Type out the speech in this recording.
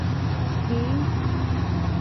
کښې